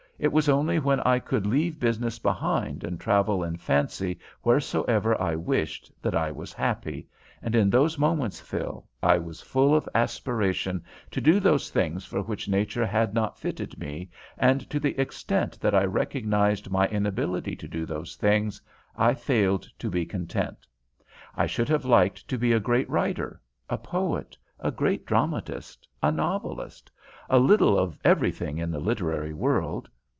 It was only when I could leave business behind and travel in fancy wheresoever I wished that I was happy, and in those moments, Phil, I was full of aspiration to do those things for which nature had not fitted me, and to the extent that I recognized my inability to do those things I failed to be content. I should have liked to be a great writer, a poet, a great dramatist, a novelist a little of everything in the literary world.